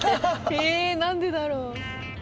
へぇ何でだろう？